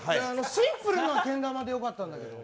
シンプルなけん玉でよかったんだけど。